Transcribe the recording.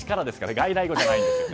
外来語じゃないんですね。